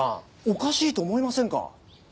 おかしいと思いませんか？